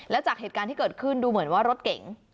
แล้วจากเหตุการณ์ที่เกิดขึ้นดูเหมือนว่ารถเก๋ง